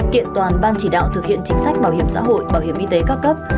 kiện toàn ban chỉ đạo thực hiện chính sách bảo hiểm xã hội bảo hiểm y tế các cấp